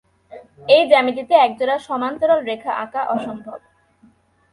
এই জ্যামিতিতে এক জোড়া সমান্তরাল রেখা আঁকা অসম্ভব।